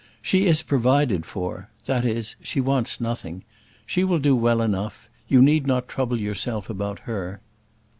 She is provided for that is, she wants nothing; she will do well enough; you need not trouble yourself about her."